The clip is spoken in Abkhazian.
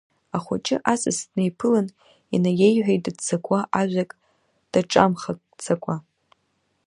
Ахәыҷы асас днеиԥылан инаиеиҳәеит дыццакуа ажәак даҿамхаӡакәа…